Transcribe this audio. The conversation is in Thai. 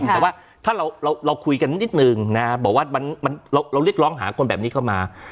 แต่ว่าถ้าเราคุยกันนิดนึงนะบอกว่าเราเรียกร้องหาคนแบบนี้เข้ามา